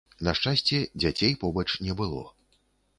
На шчасце, дзяцей побач не было.